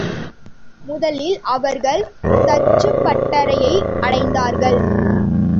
முதலில் அவர்கள் தச்சுப்பட்டறையை அடைந்தார்கள்.